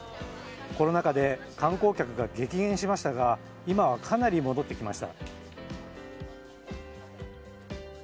コロナ禍で観光客が激減しましたが今はかなり戻ってきました。